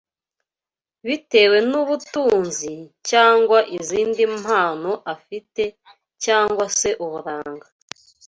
bitewe n’ubutunzi, cyangwa izindi mpano afite, cyangwa se uburanga